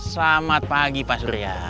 selamat pagi pak surya